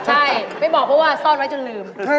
ใช่ไม่บอกเพราะว่าซ่อนไว้จนลืม